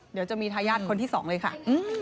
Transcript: เดี๋ยวจะมีทายาทคนที่สองเลยค่ะ